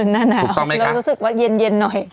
นานาวเรารู้สึกว่าเย็นหน่อยถูกต้องไหมคะ